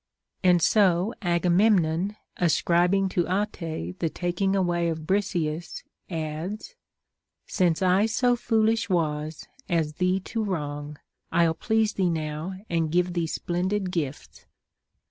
* And so Agamemnon, ascribing to Ate the taking away of Briseis, adds :— Since I so foolish was as thee to wrong, I'll please thee now, and give thee splendid gifts.